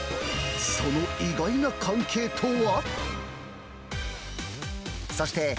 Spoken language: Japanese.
その意外な関係とは。